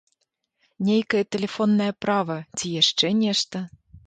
Нейкае тэлефоннае права, ці яшчэ нешта?